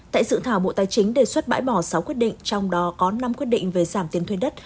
tại dự thảo bộ tài chính đề xuất bãi bỏ sáu quyết định trong đó có năm quyết định về giảm tiền thuê đất